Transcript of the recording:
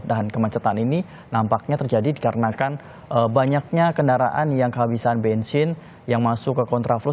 dan kemacetan ini nampaknya terjadi dikarenakan banyaknya kendaraan yang kehabisan bensin yang masuk ke kontrafloh